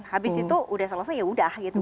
habis itu udah selesai ya udah gitu kan